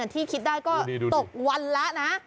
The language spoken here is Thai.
ที่คิดได้ก็ตกวันละนะ